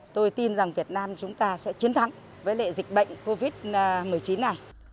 tôi tin rằng việt nam chúng ta sẽ chiến thắng với lệ dịch bệnh covid một mươi chín này